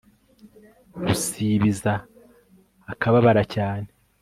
ruzibiza akababara cyane